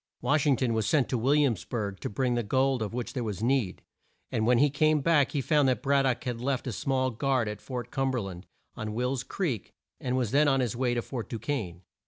Wash ing ton was sent to Will iams burg to bring the gold of which there was need, and when he came back he found that Brad dock had left a small guard at Fort Cum ber land, on Will's Creek, and was then on his way to Fort Du quesne.